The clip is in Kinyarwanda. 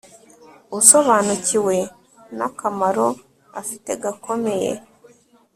usobanukiwe nakamaro afite gakomeye